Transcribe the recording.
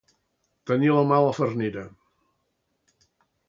Tenir la mà a la farnera.